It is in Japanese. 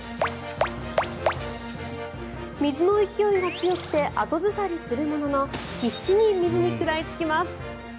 水の勢いが強くて後ずさりするも必死に水に食らいつきます。